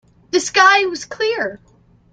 The sky was clear.